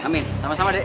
amin sama sama dek